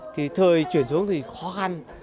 thì thời chuyển xuống thì khó khăn